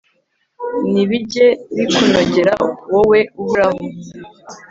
nibijye bikunogera wowe uhoraho